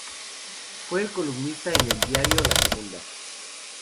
Fue columnista en el diario "La Segunda".